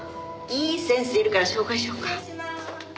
いい先生いるから紹介しようか？